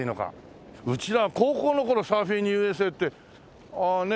うちら高校の頃『サーフィン・Ｕ．Ｓ．Ａ．』ってね。